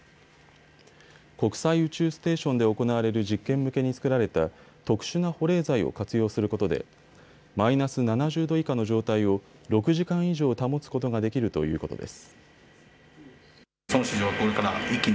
国際宇宙ステーションで行われる実験向けに作られた特殊な保冷剤を活用することでマイナス７０度以下の状態を６時間以上保つことができるということです。